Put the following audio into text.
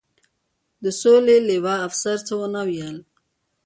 د سولې لوا، افسر څه و نه ویل.